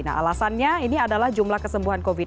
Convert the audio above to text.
nah alasannya ini adalah jumlah kesembuhan covid sembilan belas